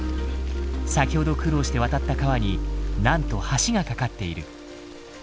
先ほど苦労して渡った川になんと橋が架かっている。